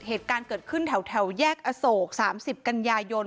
เหตุการณ์เกิดขึ้นแถวแยกอโศก๓๐กันยายน